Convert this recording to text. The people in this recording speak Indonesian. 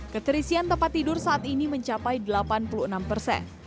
keterisian tempat tidur saat ini mencapai delapan puluh enam persen